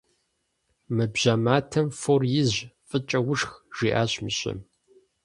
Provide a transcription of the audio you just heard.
Мы бжьэ матэм фор изщ, фӏыкӏэ ушх, - жиӏащ мыщэм.